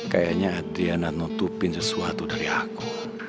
kayaknya adriana nutupin sesuatu dari aku